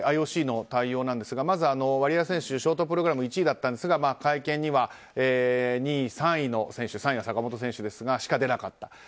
ＩＯＣの対応ですがまずワリエワ選手ショートプログラム１位だったんですが会見には２位、３位の選手３位は坂本選手ですがそれしか出なかった。